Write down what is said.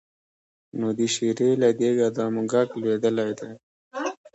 نو د شېرې له دېګه دا موږک لوېدلی دی.